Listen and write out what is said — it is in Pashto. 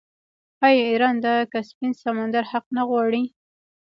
آیا ایران د کسپین سمندر حق نه غواړي؟